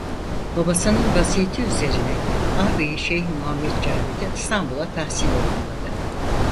Babasının vasiyeti üzerine ağabeyi Şeyh Muhammed Cavid'i İstanbul'a tahsile yolladı.